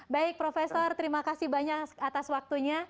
baik profesor terima kasih banyak atas waktunya